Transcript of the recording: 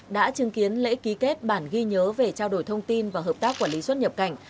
đã chứng kiến lễ ký kết bản ghi nhớ về trao đổi thông tin và hợp tác quản lý xuất nhập cảnh